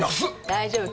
大丈夫。